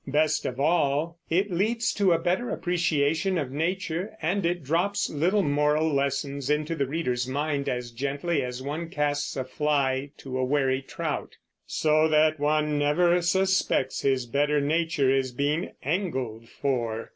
Best of all, it leads to a better appreciation of nature, and it drops little moral lessons into the reader's mind as gently as one casts a fly to a wary trout; so that one never suspects his better nature is being angled for.